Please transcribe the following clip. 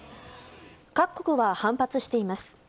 各国は反発しています。